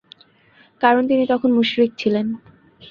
কারণ তিনি তখন মুশরিক ছিলেন।